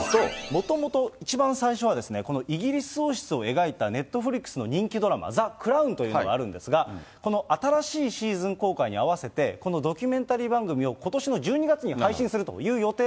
もともと、一番最初はですね、このイギリス王室を描いたネットフリックスの人気ドラマ、ザ・クラウンというのがあるんですが、この新しいシーズン公開に合わせて、このドキュメンタリー番組をことしの１２月に配信するという予定